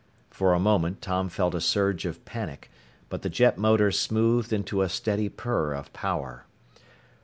For a moment Tom felt a surge of panic, but the jet motor smoothed into a steady purr of power.